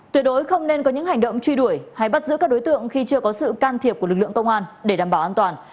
tuyệt đối không nên có những hành động truy đuổi hay bắt giữ các đối tượng khi chưa có sự can thiệp của lực lượng công an để đảm bảo an toàn